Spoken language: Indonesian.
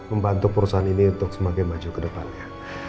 dan membantu perusahaan ini untuk semakin maju ke depannya